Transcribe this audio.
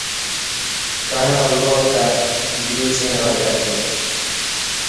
کعں اللہ تہ دیو اڄیں وگہ تہ